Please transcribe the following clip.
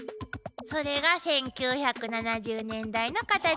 それが１９７０年代のカタチ。